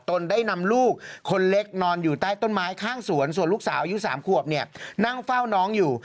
ได้นำลูกคนเล็กนอนอยู่ใต้ต้นไม้ข้างสวนส่วนลูกสาวอายุ๓ขวบเนี่ยนั่งเฝ้าน้องอยู่